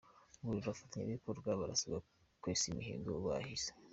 Ngororero Abafatanyabikorwa barasabwa kwese imihigo bahize